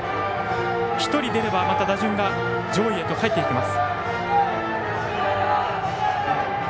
１人出れば、また打順が上位へと入っていきます。